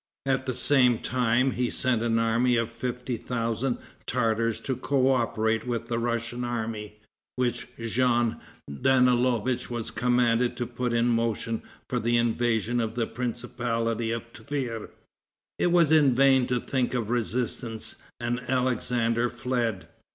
At the same time he sent an army of fifty thousand Tartars to coöperate with the Russian army, which Jean Danielovitch was commanded to put in motion for the invasion of the principality of Tver. It was in vain to think of resistance, and Alexander fled.